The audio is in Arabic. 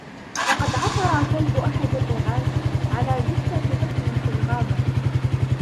لقد عثر كلب أحد الرعاة على جثة طفل في الغابة.